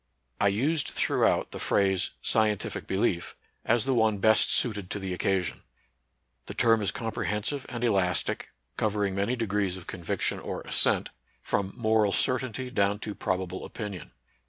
I used throughout the phrase " scientific be lief," as the one best suited to the occasion. The term is comprehensive and elastic, cover ing many degrees of conviction or assent, from NATURAL SCIENCE AND RELIGION. 59 moral certainty down to probable opinion.